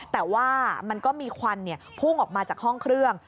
แต่ว่ามันก็มีควันพุ่งออกมาจากห้องเครื่อง